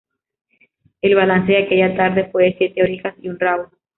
El balance de aquella tarde fue de siete orejas y un rabo.